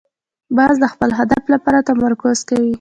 باز د خپل هدف لپاره تمرکز کوي